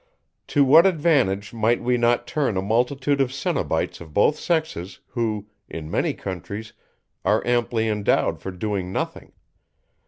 To what advantage might we not turn a multitude of cenobites of both sexes, who, in many countries, are amply endowed for doing nothing?